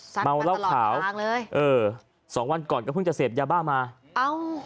ซัดมาตลอดสลางเลยเออสองวันก่อนก็เพิ่งจะเสพยาบ้ามาเอา